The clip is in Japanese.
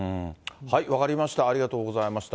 分かりました、ありがとうございました。